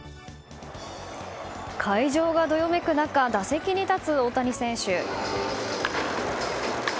会場がどよめく中打席に立つ大谷選手。